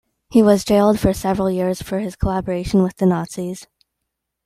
He was jailed for several years for his collaboration with the Nazis.